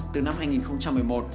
từ năm hai nghìn một mươi một